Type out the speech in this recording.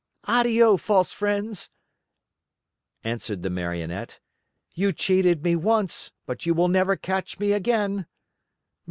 "Addio, false friends!" answered the Marionette. "You cheated me once, but you will never catch me again."